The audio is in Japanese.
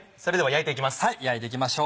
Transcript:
焼いていきましょう。